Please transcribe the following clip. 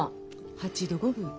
８度５分。